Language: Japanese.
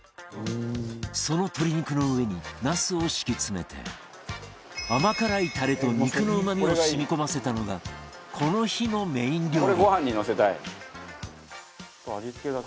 その鶏肉の上になすを敷き詰めて甘辛いタレと肉のうまみを染み込ませたのがこの日のメイン料理